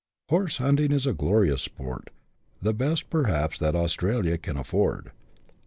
Horse hunting is glorious sport, the best perhaps that Aus tralia can afford.